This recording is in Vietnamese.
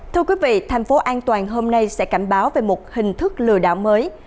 thưa quý vị thành phố an toàn hôm nay sẽ cảnh báo về một hình thức lừa đảo mới